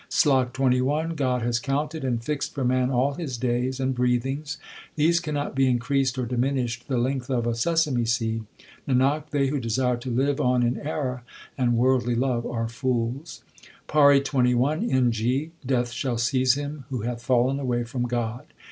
SLOK XXI God has counted and fixed for man all his days and breathings ; these cannot be increased or diminished the length of a sesame seed ; Nanak, they who desire to live on in error and worldly love are fools. PAURI XXI N G. Death shall seize him who hath fallen away from God.